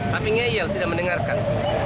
tapi ngeyel tidak mendengarkan